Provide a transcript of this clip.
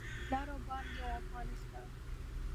لر او بر یو افغانستان